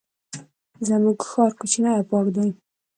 زمونږ ښار کوچنی او پاک دی.